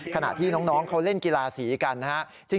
ขณะที่น้องเขาเล่นกีฬาสีกันนะครับ